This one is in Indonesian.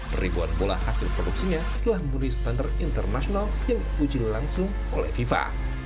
peribuan bola hasil produksinya telah memenuhi standar internasional yang diuji langsung oleh fifa